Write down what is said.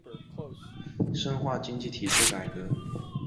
命运剑齿虎是一种广为人知的斯剑虎。